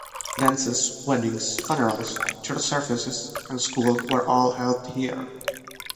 Dances, weddings, funerals, church services, and school were all held here.